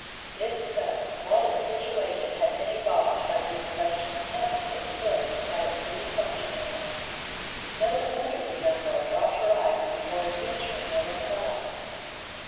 If so, what a situation had been evolved by this question publicly put by a city functionary! No wonder the young girl dropped her eyes before venturing a reply.